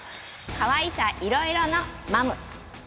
かわいさいろいろのマム！